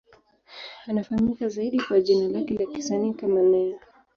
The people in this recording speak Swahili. Anafahamika zaidi kwa jina lake la kisanii kama Ne-Yo.